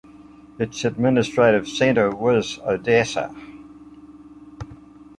Its administrative centre was Odessa.